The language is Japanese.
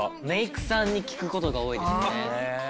メイクさんに聞く事が多いですね。